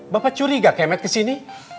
bapak curiga kemet ke sini